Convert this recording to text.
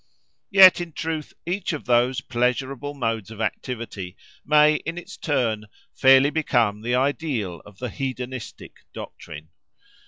Yet, in truth, each of those pleasurable modes of activity, may, in its turn, fairly become the ideal of the "hedonistic" doctrine.